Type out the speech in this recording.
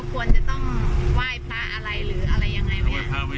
ช่วงนี้ท่านนายกควร